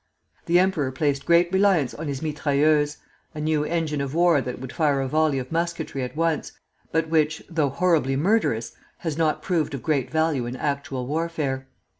The emperor placed great reliance on his mitrailleuses, a new engine of war that would fire a volley of musketry at once, but which, though horribly murderous, has not proved of great value in actual warfare.